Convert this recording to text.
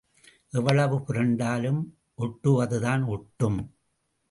எவ்வளவு புரண்டாலும் ஒட்டுவது தான் ஒட்டும்.